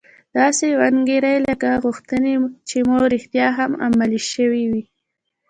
داسې وانګيرئ لکه غوښتنې چې مو رښتيا هم عملي شوې وي.